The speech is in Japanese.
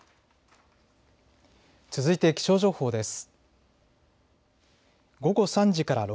続いて気象情報です。